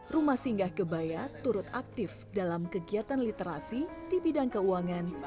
rumah singgah kebaya turut aktif dalam kegiatan literasi di bidang keuangan